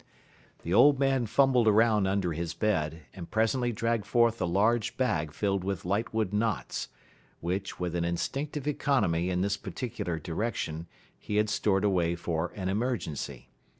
The old man fumbled around under his bed, and presently dragged forth a large bag filled with lightwood knots, which, with an instinctive economy in this particular direction, he had stored away for an emergency.